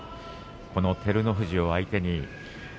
照ノ富士を相手に。